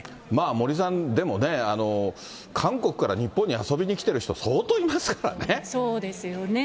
森さん、でもね、韓国から日本に遊びに来てる人、相当いますそうですよね。